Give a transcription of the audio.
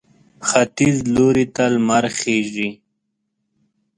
ختیځ لوري ته لمر خېژي.